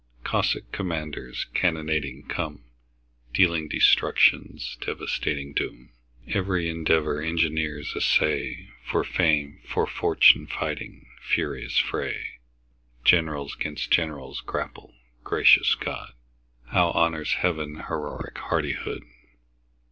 Cossack commanders cannonading come, Dealing destruction's devastating doom. Every endeavor engineers essay, For fame, for fortune fighting furious fray! Generals 'gainst generals grapple gracious God! How honors Heaven heroic hardihood!